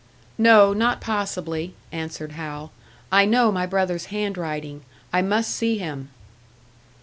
"No, not possibly," answered Hal. "I know my brother's handwriting. I must see him."